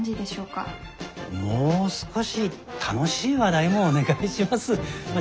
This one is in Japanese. もう少し楽しい話題もお願いします。